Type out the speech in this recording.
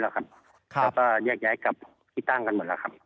แล้วก็แยกย้ายกลับที่ตั้งกันหมดแล้วครับ